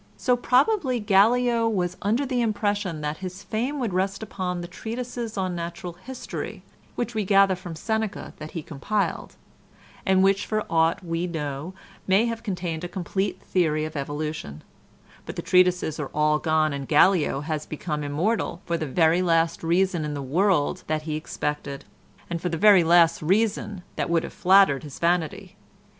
So probably Gallio was under the impression that his fame would rest upon the treatises on natural history which we gather from Seneca that he compiled, and which for aught we know may have contained a complete theory of evolution; but the treatises are all gone and Gallio has become immortal for the very last reason in the world that he expected, and for the very last reason that would have flattered his vanity.